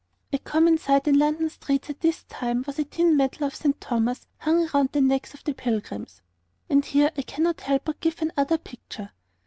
A common sight in London streets at this time was a tin medal of St. Thomas hung about the necks of the pilgrims. And here I cannot help but give another picture.